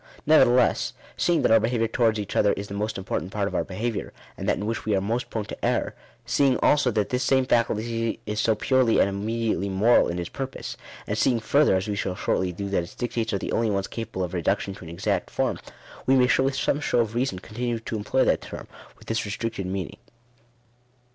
Nevertheless, seeing that our behaviour towards each other is the most important part of our behaviour, and that in which we are most prone to err; seeing also that this same faculty is so purely and immediately moral in its purpose ; and seeing further, as we shall shortly do, that its dictates are the only ones capable of reduction to an exact form, we may with some show of reason continue to employ that term, with this re stricted meaning.